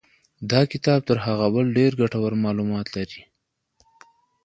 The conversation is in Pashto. دا کتاب تر هغه بل ډېر ګټور معلومات لري.